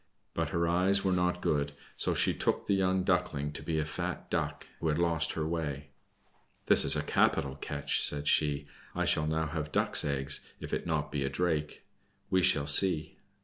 But her eyes were not good, so she took the young Duckling to be a fat Duck who had lost her way. "This is a capital catch," said she, "I shall now have Duck's eggs, if it be not a Drake. We shall see."